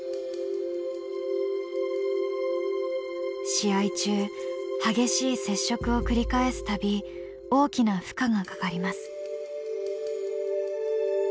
試合中激しい接触を繰り返す度大きな負荷がかかります。